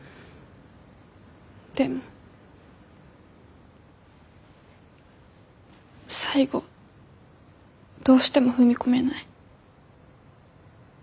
でも最後どうしても踏み込めない。